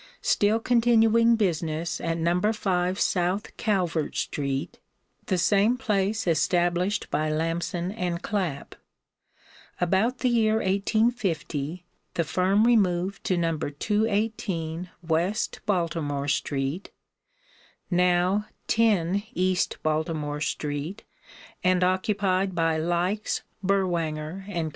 still continuing business at No. 5 South Calvert street (the same place established by Lamson & Clap). About the year 1850 the firm removed to No. 218 West Baltimore street, now 10 East Baltimore street and occupied by Likes, Berwanger & Co.